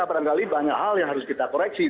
pada kali banyak hal yang harus kita koreksi